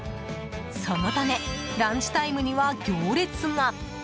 そのためランチタイムには行列が。